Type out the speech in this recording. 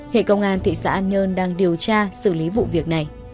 hệ công an thị xã an nhơn đang điều tra xử lý vụ việc này